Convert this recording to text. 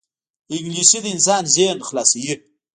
انګلیسي د انسان ذهن خلاصوي